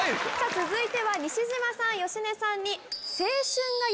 ⁉続いては西島さん芳根さんに。